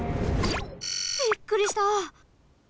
びっくりした。